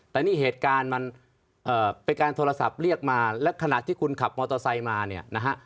แต่นี่เหตุการณ์มันเป็นการโทรศัพท์เรียกมาและขณะที่คุณขับมอเตอร์ไซค์มาเนี่ยนะฮะ